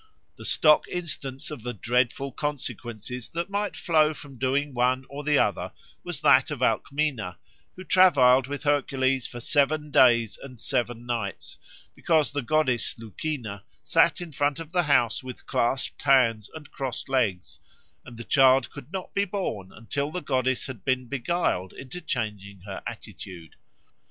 The stock instance of the dreadful consequences that might flow from doing one or the other was that of Alcmena, who travailed with Hercules for seven days and seven nights, because the goddess Lucina sat in front of the house with clasped hands and crossed legs, and the child could not be born until the goddess had been beguiled into changing her attitude.